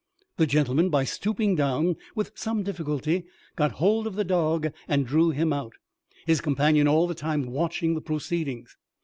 The gentleman, by stooping down, with some difficulty got hold of the dog and drew him out, his companion all the time watching the proceedings.